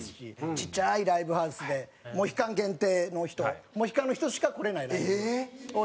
ちっちゃいライブハウスでモヒカン限定の人モヒカンの人しか来れないライブをやったんですけど。